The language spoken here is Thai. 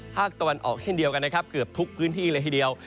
ภาคตะวันออกเช่นเดียวกันนะครับเกือบทุกพื้นที่เลยทีเดียว